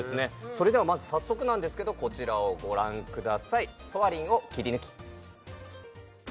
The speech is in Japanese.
それではまず早速なんですけどこちらをご覧ください